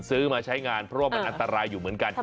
ซื้อมาใช้งานเพราะว่ามันอันตรายอยู่เหมือนกัน